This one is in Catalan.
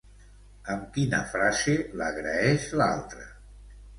Amb quina frase l'agraeix l'altre?